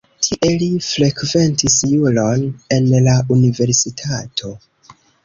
Tie li frekventis juron en la universitato.